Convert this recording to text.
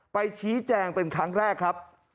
ไปชี้แจงเป็นครั้งแรกครับ